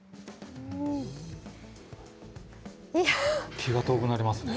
気が遠くなりますね。